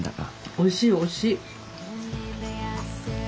おいしいおいしい。